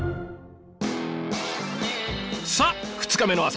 さあ２日目の朝。